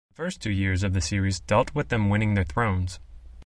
The first two years of the series dealt with them winning their thrones.